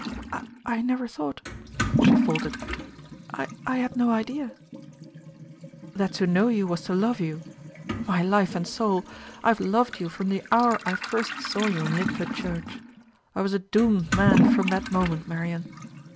"I never thought " she faltered; "I had no idea " "That to know you was to love you. My life and soul, I have loved you from the hour I first saw you in Lidford church. I was a doomed man from that moment, Marian.